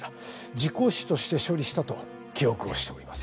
事故死として処理したと記憶をしております。